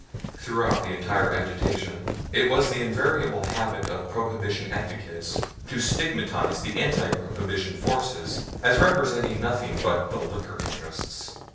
Throughout the entire agitation, it was the invariable habit of Prohibition advocates to stigmatize the anti Prohibition forces as representing nothing but the "liquor interests."